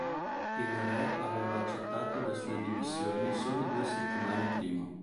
Il re aveva accettato le sue dimissioni solo due settimane prima.